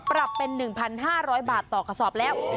ปรับเป็น๑๕๐๐บาทต่อกระสอบแล้ว